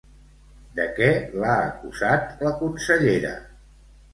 De què l'ha acusat la consellera?